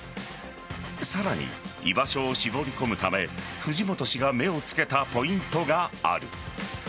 さらに、居場所を絞り込むため藤本氏が目をつけたポイントがある。